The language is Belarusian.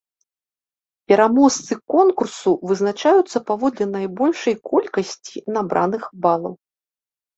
Пераможцы конкурсу вызначаюцца паводле найбольшай колькасці набраных балаў.